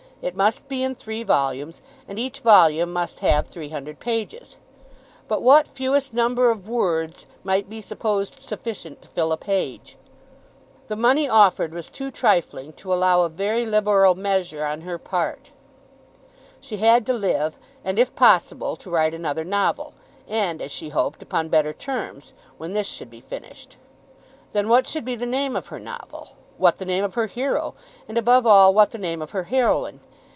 It must be in three volumes, and each volume must have three hundred pages. But what fewest number of words might be supposed sufficient to fill a page? The money offered was too trifling to allow of very liberal measure on her part. She had to live, and if possible to write another novel, and, as she hoped, upon better terms, when this should be finished. Then what should be the name of her novel; what the name of her hero; and above all what the name of her heroine?